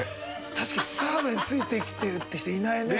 確かに澤部について来てるって人いないね。